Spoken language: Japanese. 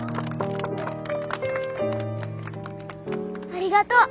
ありがとう。